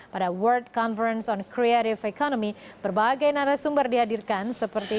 pada world conference on creative economy berbagai narasumber dihadirkan seperti